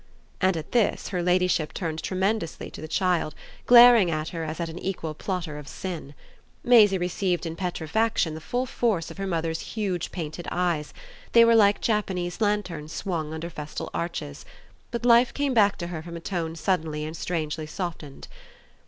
and at this her ladyship turned tremendously to the child, glaring at her as at an equal plotter of sin. Maisie received in petrifaction the full force of her mother's huge painted eyes they were like Japanese lanterns swung under festal arches. But life came back to her from a tone suddenly and strangely softened.